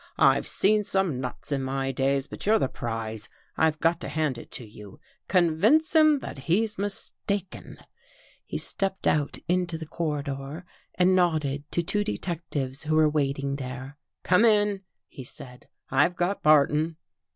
" I've seen some nuts in my day, but you're the prize. I've got to hand it to you. ' Convince him that he's mistaken 1 '" He stepped out into the corridor and nodded to two detectives who were waiting there. " Come in," he said. " I've got Barton."